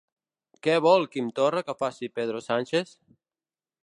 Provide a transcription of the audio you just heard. Què vol Quim Torra que faci Pedro Sánchez?